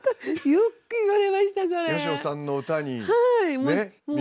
よく言われました。